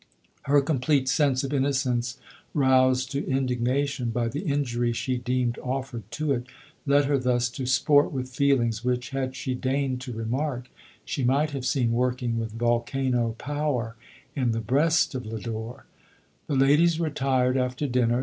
Her complete sense of innocence, roused to indignation, by the injury she deemed offered to it, led her thus to sport with feelings, which, had she deigned to re mark, she might have seen working with vol cano power in the breast of Lodore. The ladies retired after dinner.